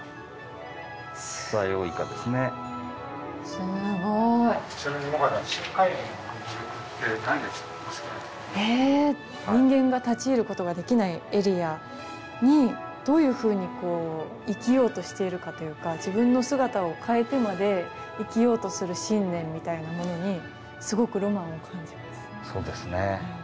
ちなみに萌歌さんえ人間が立ち入ることができないエリアにどういうふうに生きようとしているかというか自分の姿を変えてまで生きようとする信念みたいなものにそうですね。